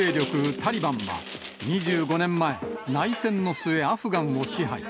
タリバンは、２５年前、内戦の末、アフガンを支配。